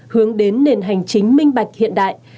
hướng đến nền hành chính minh bạch hiện đại